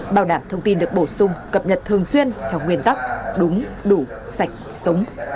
bảo đảm thông tin được bổ sung cập nhật thường xuyên theo nguyên tắc đúng đủ sạch sống